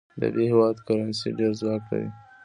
د ب هیواد کرنسي ډېر ځواک لري.